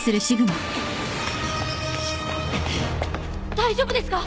大丈夫ですか？